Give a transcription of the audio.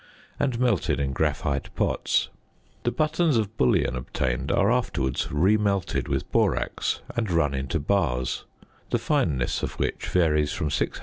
and melted in graphite pots. The buttons of bullion obtained are afterwards remelted with borax and run into bars, the fineness of which varies from 600 to 830 thousandths.